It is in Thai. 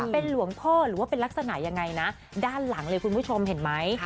เป็นหลวงพ่อหรือว่าเป็นลักษณะยังไงนะด้านหลังเลยคุณผู้ชมเห็นไหม